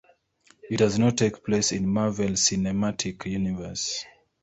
It does take place in the Marvel Cinematic Universe.